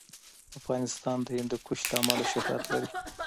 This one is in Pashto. افغانستان د هندوکش له امله شهرت لري.